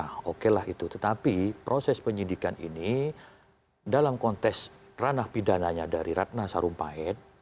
nah okelah itu tetapi proses penyidikan ini dalam konteks ranah pidananya dari ratna sarumpahit